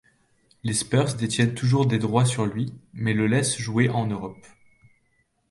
Les Spurs détiennent toujours des droits sur lui, mais le laisse jouer en Europe.